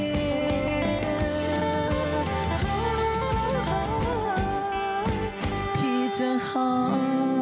หอมพี่เธอหอม